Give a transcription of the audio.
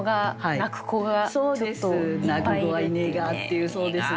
「泣く子はいねが」っていうそうですね。